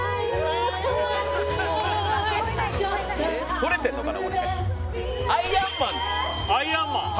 とれてるのかな。